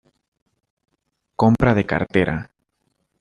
Compra de cartera.